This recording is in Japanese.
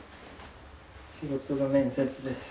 仕事の面接です。